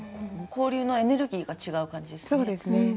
交流のエネルギーが違う感じですね。